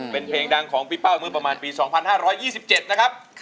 เป็นเพลงดังของพี่เป้าเมื่อประมาณปี๒๕๒๗นะครับ